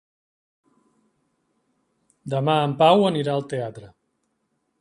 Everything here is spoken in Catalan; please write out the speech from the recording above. Demà en Pau anirà al teatre.